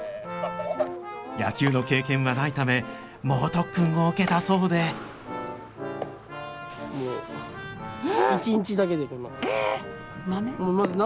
野球の経験はないため猛特訓を受けたそうでもう１日だけでこんな。